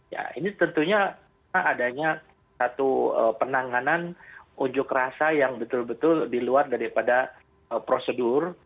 ya ini tentunya adanya satu penanganan ujuk rasa yang betul betul di luar daripada prosedur